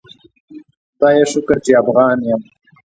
خدایه شکر چی افغان یم